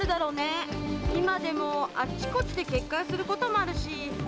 今でもあっちこっちで決壊することもあるし。